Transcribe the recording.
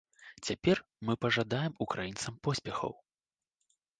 Цяпер мы пажадаем украінцам поспехаў.